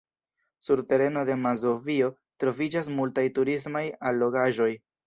Sur tereno de Mazovio troviĝas multaj turismaj allogaĵoj.